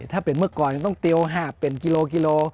ถ้าเป็นเมื่อก่อนต้องเตียว๕เป็นกิโลกิโล